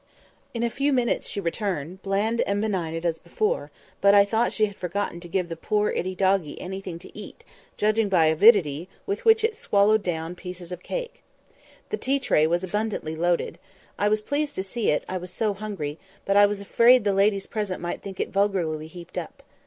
In a few minutes she returned, bland and benignant as before; but I thought she had forgotten to give the "poor ittie doggie" anything to eat, judging by the avidity with which he swallowed down chance pieces of cake. The tea tray was abundantly loaded—I was pleased to see it, I was so hungry; but I was afraid the ladies present might think it vulgarly heaped up.